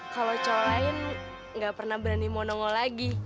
kalo cowok lain gak pernah berani mau nongol lagi